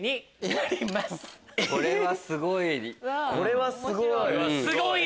これはすごい。